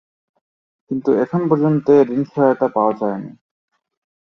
কিন্তু এখন পর্যন্ত এ ঋণ সহায়তা পাওয়া যায়নি।